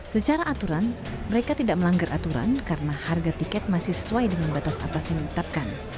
secara aturan mereka tidak melanggar aturan karena harga tiket masih sesuai dengan batas atas yang ditetapkan